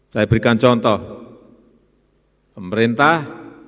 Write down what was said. saya berikan contoh pemerintah kadang kurang pernah menunjukkan benda spesies